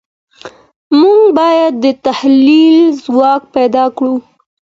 موږ بايد د تحليل ځواک پيدا کړو.